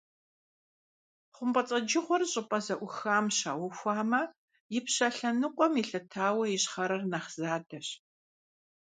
ХъумпӀэцӀэджыгъуэр щӀыпӀэ зэӀухам щаухуамэ, ипщэ лъэныкъуэм елъытауэ ищхъэрэр нэхъ задэщ.